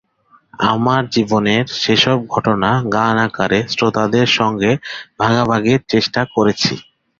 আমার জীবনের সেসব ঘটনা গান আকারে শ্রোতাদের সঙ্গে ভাগাভাগির চেষ্টা করেছি।